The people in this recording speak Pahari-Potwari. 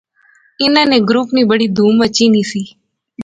انیں نے گروپ نی بڑی دھوم مچی نی سی